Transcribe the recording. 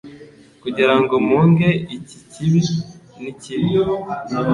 kugirango mpunge iki kibi nikibi